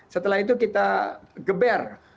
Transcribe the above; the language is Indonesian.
setelah itu kita geber